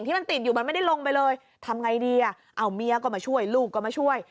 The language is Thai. ทำยังไงดีอะเอามียมาช่วยลูกก็มาช่วย